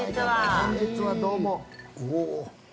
◆本日はどうも。